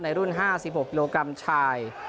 รุ่น๕๖กิโลกรัมชาย